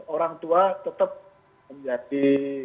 orang tua tetap menjadi